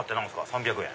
３００円。